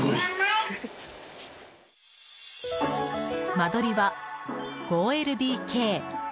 間取りは、５ＬＤＫ。